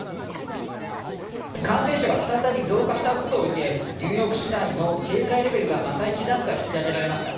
感染者が再び増加したことを受け、ニューヨーク市内の警戒レベルがまた１段階引き上げられました。